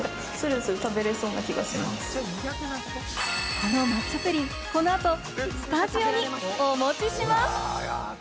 この抹茶プリン、この後、スタジオにお持ちします。